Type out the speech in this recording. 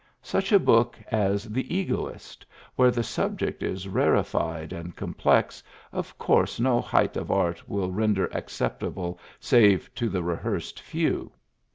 Such a book as The Egoist^ where the subject is rarefied and complex, of course no height of art will render acceptable, save to the rehearsed few.